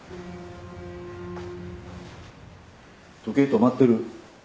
時計止まってる。